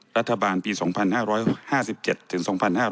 รัฐบาลปี๒๕๕๗ถึง๒๕๕๙